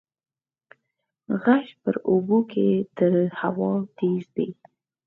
غږ په اوبو کې تر هوا تېز دی.